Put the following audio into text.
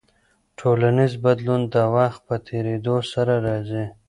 ټولنیز بدلون د وخت په تیریدو سره راځي.